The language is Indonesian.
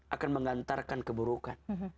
akan mengantarkan keburukan